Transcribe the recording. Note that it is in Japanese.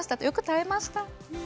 よく耐えました。